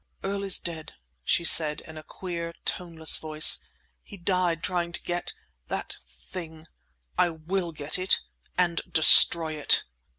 "Earl is dead!" she said, in a queer, toneless voice. "He died trying to get—that thing! I will get it, and destroy it!"